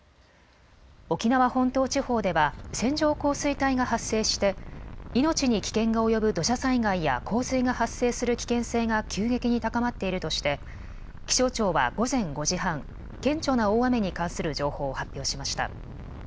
沖縄本島地方では線状降水帯が発生して命に危険が及ぶ土砂災害や洪水が発生する危険性が急激に高まっているとして気象庁は午前５時半、顕著な大雨に関する情報を発表しました。